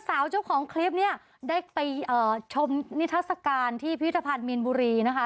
เจ้าของคลิปเนี่ยได้ไปชมนิทัศกาลที่พิธภัณฑ์มีนบุรีนะคะ